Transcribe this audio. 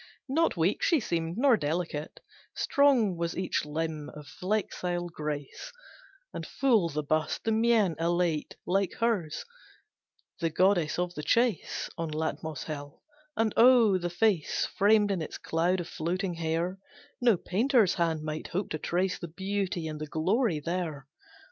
Not weak she seemed, nor delicate, Strong was each limb of flexile grace, And full the bust; the mien elate, Like hers, the goddess of the chase On Latmos hill, and oh, the face Framed in its cloud of floating hair, No painter's hand might hope to trace The beauty and the glory there!